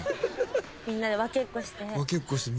みんなで分けっこして。